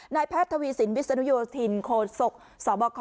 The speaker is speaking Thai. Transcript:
นายแพทย์ทวีสินวิชยนุโยธินโฆษกสบค